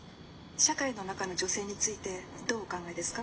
「社会の中の女性についてどうお考えですか？」。